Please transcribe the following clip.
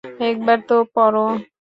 একবার তো পড়ো।